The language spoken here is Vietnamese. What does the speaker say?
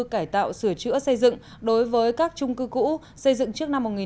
cải tạo sửa chữa xây dựng đối với các chung cư cũ xây dựng trước năm một nghìn chín trăm bảy mươi năm trên địa bàn